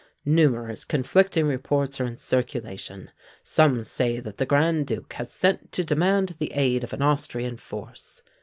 Numerous conflicting reports are in circulation: some say that the Grand Duke has sent to demand the aid of an Austrian force.